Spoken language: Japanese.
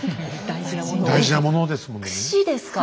大事なものですものね。